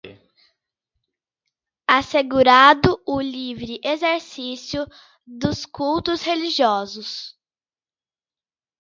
assegurado o livre exercício dos cultos religiosos